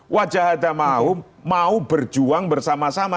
wajahadamahum mau berjuang bersama sama